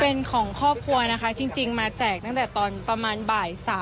เป็นของครอบครัวนะคะจริงมาแจกตั้งแต่ตอนประมาณบ่าย๓